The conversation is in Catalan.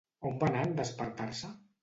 On va anar en despertar-se?